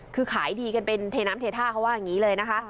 คือขายดีกันเป็นเทน้ำเทท่าเขาว่าอย่างนี้เลยนะคะ